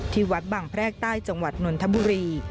ที่วัดบางแพรกใต้จังหวัดนนทบุรี